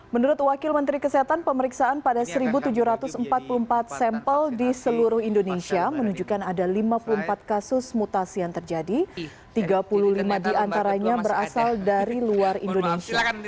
menurut wakil menteri kesehatan pemeriksaan pada satu tujuh ratus empat puluh empat sampel di seluruh indonesia menunjukkan ada lima puluh empat kasus mutasi yang terjadi tiga puluh lima diantaranya berasal dari luar indonesia